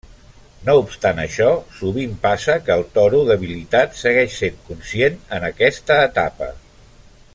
No obstant això, sovint passa que el toro debilitat segueix sent conscient en aquesta etapa.